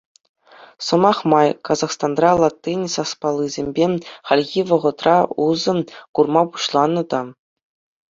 Сӑмах май, Казахстанра латин саспаллийӗсемпе хальхи вӑхӑтра усӑ курма пуҫланӑ та.